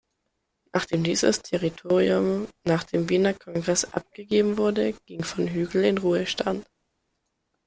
Nachdem dieses Territorium nach dem Wiener Kongress abgegeben wurde, ging von Hügel in Ruhestand.